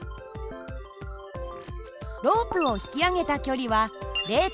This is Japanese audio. ロープを引き上げた距離は０．２ｍ。